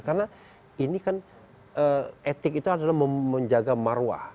karena ini kan etik itu adalah menjaga marwah